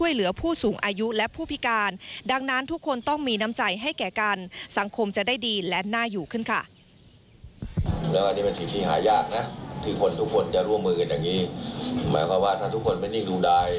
หมายความว่าถ้าทุกคนไม่นิ่งดูดาย